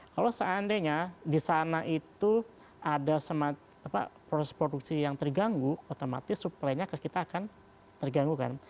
kalau seandainya di sana itu ada proses produksi yang terganggu otomatis supply nya ke kita akan terganggu kan